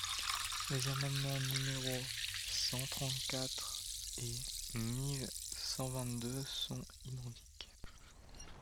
Les amendements numéros cent trente-quatre et mille cent vingt-deux sont identiques.